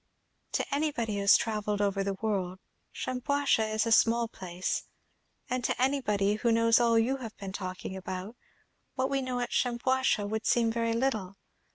"To anybody who has travelled over the world, Shampuashuh is a small place; and to anybody who knows all you have been talking about, what we know at Shampuashuh would seem very little.